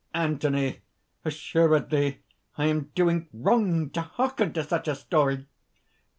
ANTHONY. "Assuredly I am doing wrong, to hearken to such a story!"